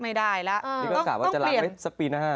มีโอกาสว่าจะล้างได้สักปีหน้า